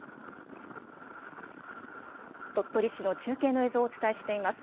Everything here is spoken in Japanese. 鳥取市の中継を映像をお伝えしています。